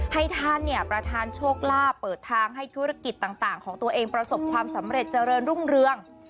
ให้ท่านเนี่ยประธานโชคลาภเปิดทางให้ธุรกิจต่างของตัวเองประสบความสำเร็จเจริญรุ่งเรือง